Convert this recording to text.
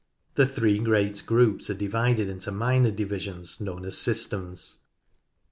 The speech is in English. The three great groups are divided into minor divisions known as systems.